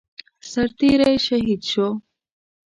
سرتيری شهید شو